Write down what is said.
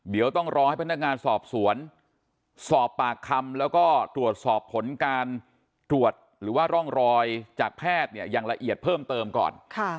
เดี๋ยวต้องรอให้พนักงานสอบสวนสอบปากคำแล้วก็ตรวจสอบผลการตรวจหรือว่าร่องรอยจากแพทย์เนี่ยอย่างละเอียดเพิ่มเติมก่อน